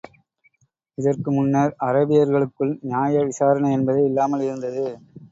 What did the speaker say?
இதற்கு முன்னர், அரேபியர்களுக்குள் நியாய விசாரணை என்பதே இல்லாமல் இருந்தது.